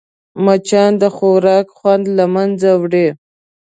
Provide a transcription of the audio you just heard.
مچان د خوراک خوند له منځه وړي